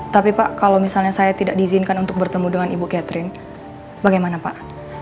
tapi pak kalau misalnya saya tidak diizinkan untuk bertemu dengan ibu catherine bagaimana pak